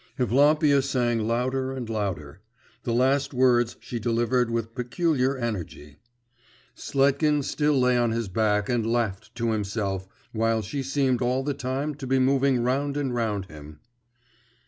Evlampia sang louder and louder; the last words she delivered with peculiar energy. Sletkin still lay on his back and laughed to himself, while she seemed all the time to be moving round and round him.